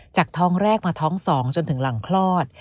จากท้องแรกมาท้อง๒จนถึงหลังคลอด